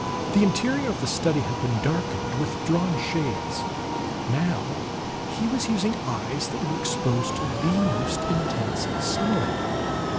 The interior of the study had been darkened with drawn shades; now he was using eyes that were exposed to the most intense sunlight.